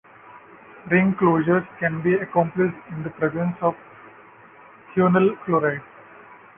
Ring closure can be accomplished in the presence of thionyl chloride.